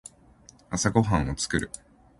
朝ごはんを作る。